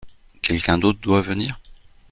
Quelqu’un d’autre doit venir ?